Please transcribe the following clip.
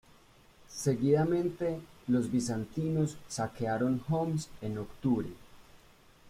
Seguidamente, los bizantinos saquearon Homs en octubre.